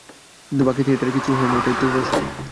কিন্তু বাকি থিয়েটারের কিছুই হয় নি এটাই তো প্রশ্ন।